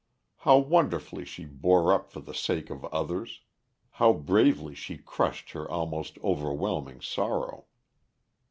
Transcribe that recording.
How wonderfully she bore up for the sake of others; how bravely she crushed her almost overwhelming sorrow.